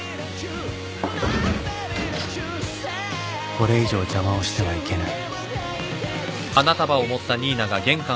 ・これ以上邪魔をしてはいけない